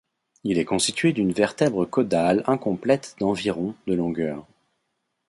Il est constitué d'une vertèbre caudale incomplète d'environ de longueur.